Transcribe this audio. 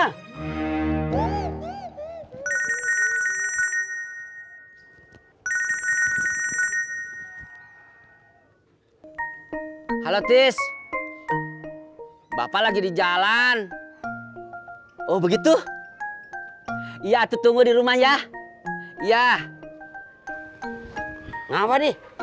halo halo tis bapak lagi di jalan oh begitu iya tuh tunggu di rumah ya iya ngapa nih